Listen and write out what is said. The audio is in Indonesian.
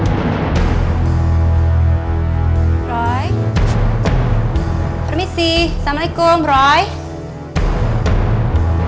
permisi assalamualaikum roy